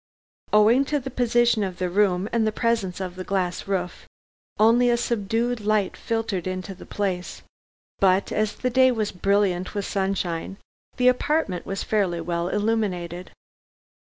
Owing to the position of the room and the presence of the glass roof, only a subdued light filtered into the place, but, as the day was brilliant with sunshine, the apartment was fairly well illuminated.